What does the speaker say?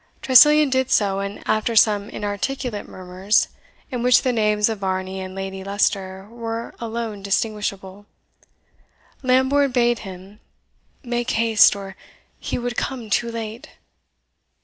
Tressilian did so, and after some inarticulate murmurs, in which the names of Varney and Lady Leicester were alone distinguishable, Lambourne bade him "make haste, or he would come too late."